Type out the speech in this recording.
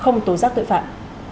không tố giác tội phạm